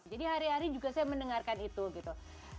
jadi hari hari juga saya mendengarkan itu gitu